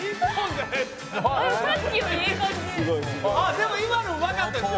でも今のうまかったですよ。